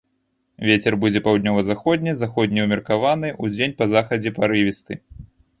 Вецер будзе паўднёва-заходні, заходні ўмеркаваны, удзень па захадзе парывісты.